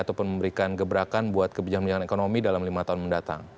ataupun memberikan gebrakan buat kebijakan kebijakan ekonomi dalam lima tahun mendatang